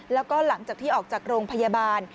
แล้วก็หลังจากที่ออกจากโรงพยาบาล